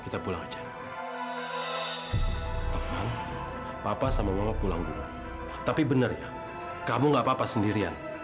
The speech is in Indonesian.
terus gimana dengan kamila fakir